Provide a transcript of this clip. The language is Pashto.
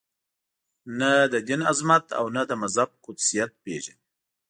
نه د دین عظمت او نه د مذهب قدسیت پېژني.